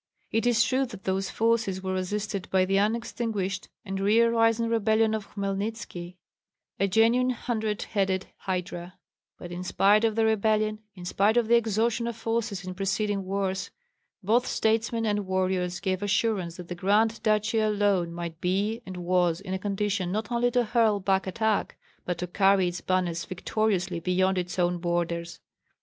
It is true that those forces were assisted by the unextinguished and re arisen rebellion of Hmelnitski, a genuine hundred headed hydra; but in spite of the rebellion, in spite of the exhaustion of forces in preceding wars, both statesmen and warriors gave assurance that the Grand Duchy alone might be and was in a condition not only to hurl back attack, but to carry its banners victoriously beyond its own borders.